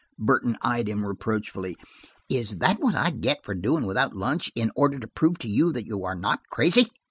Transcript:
Burton eyed him reproachfully. "Is that what I get for doing without lunch, in order to prove to you that you are not crazy?"